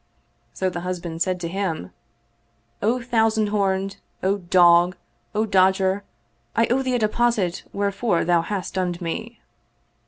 So the husband said to him, " O thousand horned, O dog, O dodger, I owe thee a deposit wherefore thou hast dunned me."